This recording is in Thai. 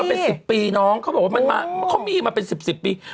มันเป็น๑๐ปีน้องเขาบอกว่ามันมามันเขามีมาเป็น๑๐๑๐ปี